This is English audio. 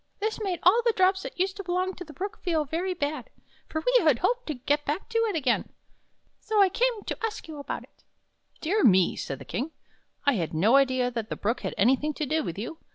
This made all the drops that used to belong to the Brook feel very bad, for we hoped to get back to it again. So I came to ask you about it." " Dear me! " said the King. " I had no idea that the Brook had anything to do with you.